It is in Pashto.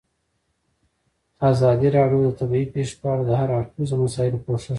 ازادي راډیو د طبیعي پېښې په اړه د هر اړخیزو مسایلو پوښښ کړی.